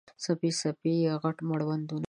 څپې، څپې یې، غټ مړوندونه